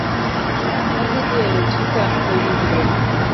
Adhi lielo tika moyugno ni